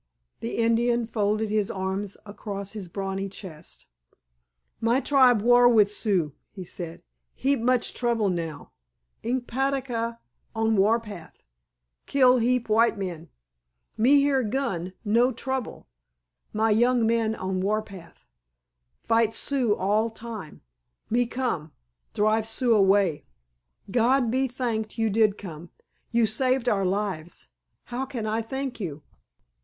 The Indian folded his arms across his brawny chest. "My tribe war with Sioux," he said. "Heap much trouble now. Inkpaducah on war path. Kill heap white men. Me hear gun, know trouble. My young men on war path. Fight Sioux all time. Me come, drive Sioux away." "God be thanked you did come. You saved our lives. How can I thank you?"